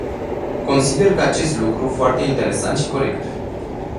Consider acest lucru foarte interesant și corect.